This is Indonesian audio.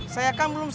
saya kan belum beres